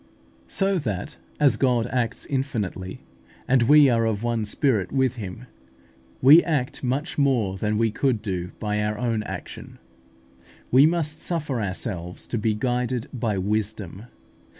So that, as God acts infinitely, and we are of one spirit with Him, we act much more than we could do by our own action. We must suffer ourselves to be guided by Wisdom.